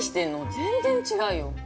全然違うよ！